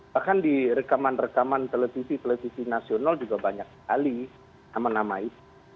bahkan di rekaman rekaman televisi televisi nasional juga banyak sekali nama nama itu